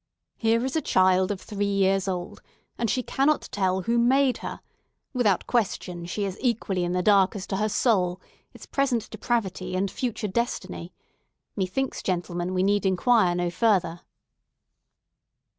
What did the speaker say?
"Here is a child of three years old, and she cannot tell who made her! Without question, she is equally in the dark as to her soul, its present depravity, and future destiny! Methinks, gentlemen, we need inquire no further."